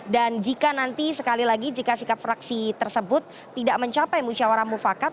dan jika nanti sekali lagi jika sikap fraksi tersebut tidak mencapai musyawarah mufakat